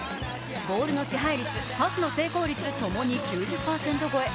ボールの支配率、パスの成功率、共に９０％超え。